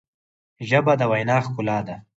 ژبه د وینا ښکلا ده.